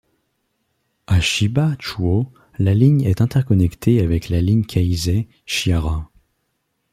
À Chiba-Chūō, la ligne est interconnectée avec la ligne Keisei Chihara.